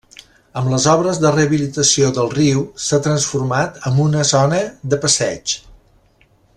Amb les obres de rehabilitació del riu s'ha transformat en una zona de passeig.